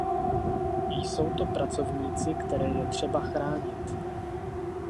Jsou to pracovníci, které je třeba chránit.